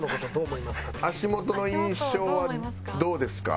足元の印象はどうですか？